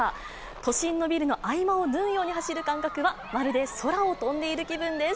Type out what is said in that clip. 都心のビルの合間を縫うように走る感覚は、まるで空を飛んでいる気分です。